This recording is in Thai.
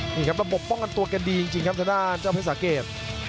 นี่ครับระบบป้องกันตัวแกดีจริงครับทางด้านเจ้าเพชรสาเกต